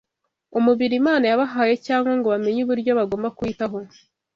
umubiri Imana yabahaye cyangwa ngo bamenye uburyo bagomba kuwitaho